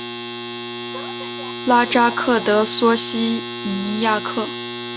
拉扎克德索西尼亚克。